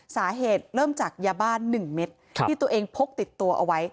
สาเหตุเริ่มจากยาบ้าน๑เม็ดที่ตัวเองพกติดตัวเอาไว้